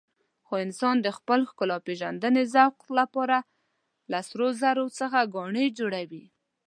خو انسان د خپل ښکلاپېژندنې ذوق لپاره له سرو زرو څخه ګاڼې جوړوي.